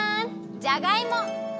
じゃがいも！